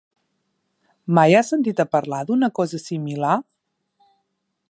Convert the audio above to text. Mai has sentit a parlar d'una cosa similar?